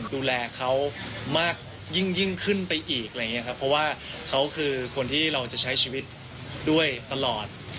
ดูแลเขายิ่งขึ้นไปอีกเพราะว่าเขาคือคนที่เราจะใช้ชีวิตด้วยตลอด